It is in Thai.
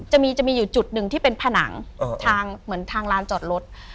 จะมีอยู่จุดหนึ่งที่เป็นผนังทางเหมือนทางลานจอดรถ